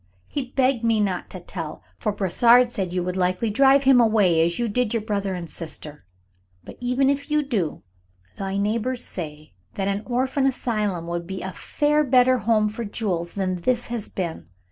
He begged me not to tell, for Brossard said you would likely drive him away, as you did your brother and sister. But even if you do, the neighbors say that an orphan asylum would be a far better home for Jules than this has been.